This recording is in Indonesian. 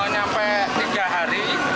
nyampe tiga hari